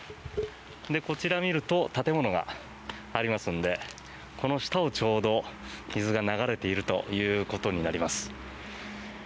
こちらを見ると建物がありますのでこの下を、ちょうど水が流れているということになります。